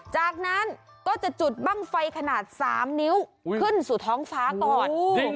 จากนั้นก็จะจุดบ้างไฟขนาด๓นิ้วขึ้นสู่ท้องฟ้าก่อน